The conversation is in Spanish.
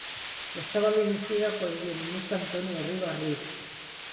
Estaba dirigida por el violinista Antonio Rivas Ruiz.